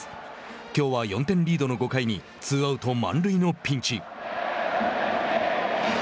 きょうは４点リードの５回にツーアウト、満塁のピンチ。